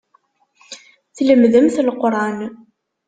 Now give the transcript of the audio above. Tlemdemt Leqran.